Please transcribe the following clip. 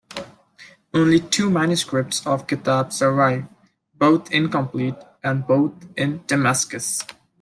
Only two manuscripts of the "Kitab" survive, both incomplete, and both in Damascus.